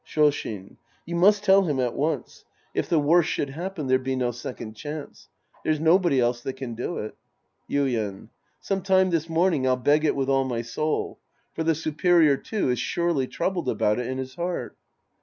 Shoshin, You must tell liim at once. If the worst 220 The Priest and His Disciples Act VI should happen, there'd be no second chance. There's nobody else that can do it. , Yuien. Some time this morning I'll beg it with all my soul. For the superior, too, is surely troubled about it in his heart.